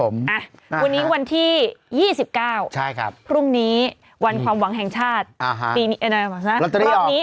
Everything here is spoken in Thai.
วันนี้วันที่๒๙พรุ่งนี้วันความหวังแห่งชาติปีนี้